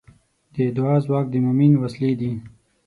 د دعا ځواک د مؤمن وسلې ده.